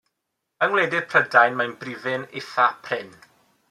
Yng ngwledydd Prydain mae'n bryfyn eithaf prin.